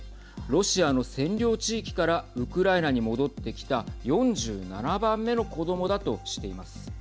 ロシアの占領地域からウクライナに戻ってきた４７番目の子どもだとしています。